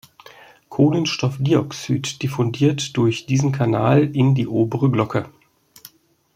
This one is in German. Kohlenstoffdioxid diffundiert durch diesen Kanal in die obere Glocke.